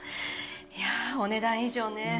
いやお値段以上ね。